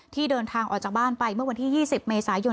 เดินทางออกจากบ้านไปเมื่อวันที่๒๐เมษายน